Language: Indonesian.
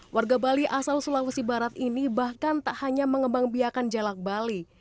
warga bali asal sulawesi barat ini bahkan tak hanya mengembang biakan jelak bali